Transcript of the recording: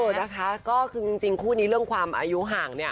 นะคะก็คือจริงคู่นี้เรื่องความอายุห่างเนี่ย